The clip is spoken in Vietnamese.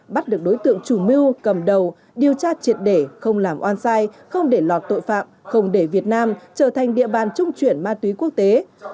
bắt được đối tượng chủ mưu cầm đầu điều tra triệt để không làm oan sai không để lọt tội phạm không để việt nam trở thành địa bàn trung chuyển ma túy quốc tế